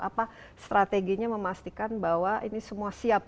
apa strateginya memastikan bahwa ini semua siap